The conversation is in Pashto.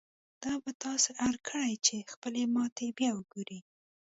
دا به تاسې اړ کړي چې خپلې ماتې بيا وګورئ.